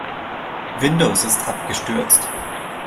Windows ist abgestürzt.